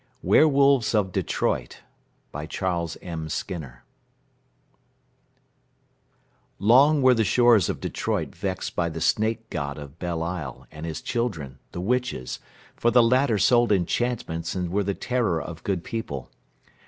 WERE WOLVES OF DETROIT Long were the shores of Detroit vexed by the Snake God of Belle Isle and his children, the witches, for the latter sold enchantments and were the terror of good people.